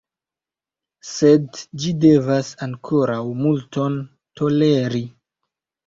Sed ĝi devas ankaŭ multon toleri.